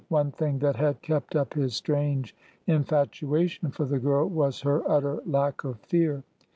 One thing that had kept up his strange infatuation for the girl was her utter lack of fear.